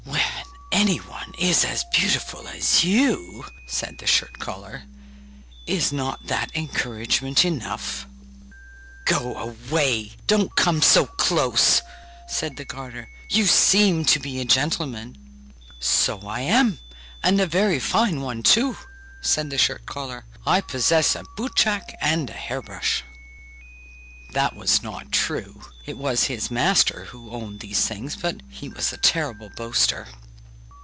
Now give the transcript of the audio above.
'When anyone is as beautiful as you,' said the shirt collar, 'is not that encouragement enough?' 'Go away, don't come so close!' said the garter. 'You seem to be a gentleman!' 'So I am, and a very fine one too!' said the shirt collar; 'I possess a boot jack and a hair brush!' That was not true; it was his master who owned these things; but he was a terrible boaster.